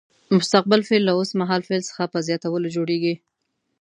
مستقبل فعل له اوس مهال فعل څخه په زیاتولو جوړیږي.